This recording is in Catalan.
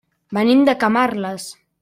Venim de Camarles.